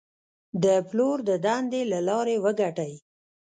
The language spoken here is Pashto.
د پلور د دندې له لارې وګټئ.